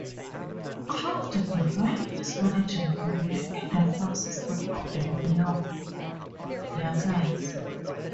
Craft began his managing career in the farm system of the New York Yankees.